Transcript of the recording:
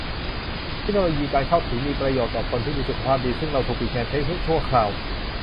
เทคโนโลยีการเข้าถึงมีประโยชน์ต่อคนที่มีสุขภาพดีซึ่งเราถูกปิดใช้งานชั่วคราว